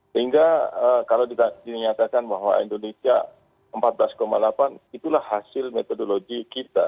sehingga kalau dinyatakan bahwa indonesia empat belas delapan itulah hasil metodologi kita